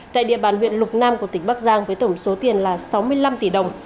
tại địa bàn huyện lục nam của tỉnh bắc giang với tổng số tiền là sáu mươi năm tỷ đồng